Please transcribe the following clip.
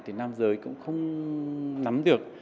thì nam giới cũng không nắm được